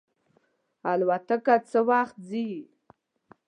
الوتکه څه وخت ځي؟